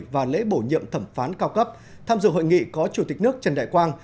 và lễ bổ nhiệm thẩm phán cao cấp tham dự hội nghị có chủ tịch nước trần đại quang